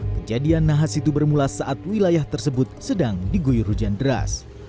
kejadian nahas itu bermula saat wilayah tersebut sedang diguyur hujan deras